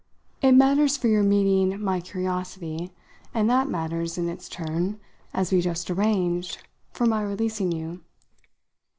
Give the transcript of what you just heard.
It matters for your meeting my curiosity, and that matters, in its turn, as we just arranged, for my releasing you.